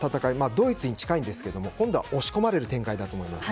ドイツに近いんですが、今度は押し込まれる展開だと思います。